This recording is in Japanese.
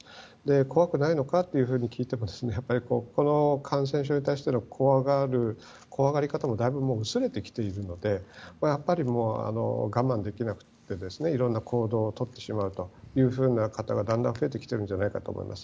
怖くないのかと聞いたらこの感染症に対しての怖がり方もだいぶ薄れてきているので我慢できなくていろんな行動をとってしまうというふうな方がだんだん増えてきてるんじゃないかと思います。